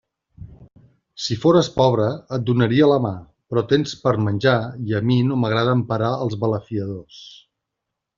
Si fores pobra, et donaria la mà; però tens per a menjar, i a mi no m'agrada emparar els balafiadors.